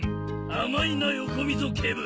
甘いな横溝警部。